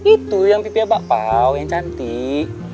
itu yang pipiah bakpao yang cantik